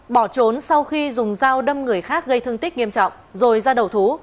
bỏ trốn sau khi dùng dao đâm người khác gây thương tích nghiêm trọng rồi ra đầu thú